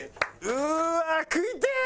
うわ食いてえ！